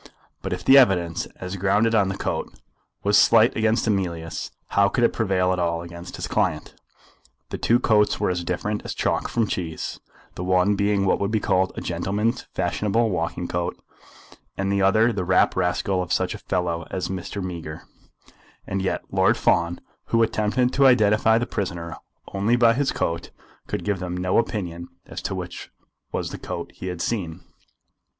But if the evidence, as grounded on the coat, was slight against Emilius, how could it prevail at all against his client? The two coats were as different as chalk from cheese, the one being what would be called a gentleman's fashionable walking coat, and the other the wrap rascal of such a fellow as was Mr. Meager. And yet Lord Fawn, who attempted to identify the prisoner only by his coat, could give them no opinion as to which was the coat he had seen!